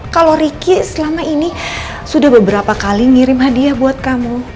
kalau ricky selama ini sudah beberapa kali ngirim hadiah buat kamu